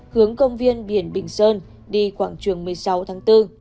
hướng công viên biển bình sơn đi quảng trường một mươi sáu tháng bốn